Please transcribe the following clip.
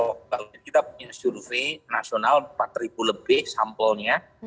kalau kita punya survei nasional empat lebih sampelnya